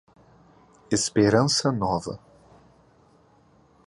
Esperança Nova